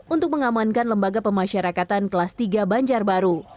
untuk mengamankan lembaga pemasyarakatan kelas tiga banjarbaru